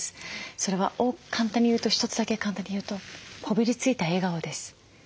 それは簡単に言うと一つだけ簡単に言うとこびりついた笑顔です。